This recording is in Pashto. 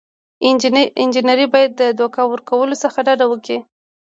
انجینر باید د دوکه ورکولو څخه ډډه وکړي.